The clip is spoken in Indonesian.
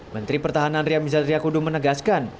menteri pertahanan ria mizar triakudu menegaskan